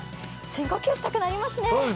深呼吸したくなりますね。